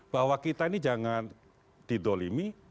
bahwa kita ini jangan didolimi